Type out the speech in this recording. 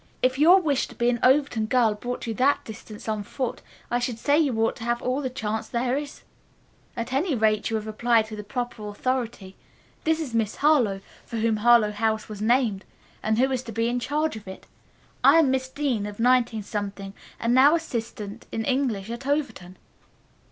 "If your wish to be an Overton girl brought you that distance on foot, I should say you ought to have all the chance there is. At any rate you have applied to the proper authority. This is Miss Harlowe, for whom Harlowe House was named, and who is to be in charge of it. I am Miss Dean, of 19 and now assistant in English at Overton."